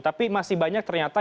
tapi masih banyak ternyata